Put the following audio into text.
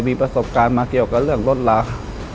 มีประสบการณ์มาเกี่ยวกับเรื่องรถลา